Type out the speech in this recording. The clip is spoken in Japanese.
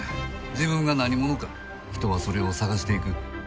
自分が何者か人はそれを探していく。